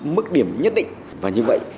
mức điểm nhất định và như vậy